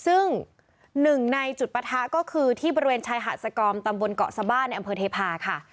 ซึ่งหนึ่งในจุดปะทะก็คือที่บริเวณชายหาดสกอมตำบลเกาะสบานในอำเภอเทพาค่ะ